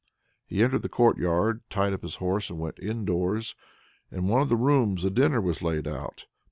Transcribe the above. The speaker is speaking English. He entered the courtyard, tied up his horse, and went indoors. In one of the rooms a dinner was laid out.